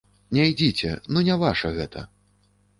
Не ідзіце, ну не ваша гэта.